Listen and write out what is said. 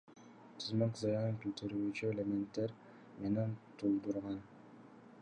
Түзмөк зыян келтирүүчү элементтер менен толтурулган.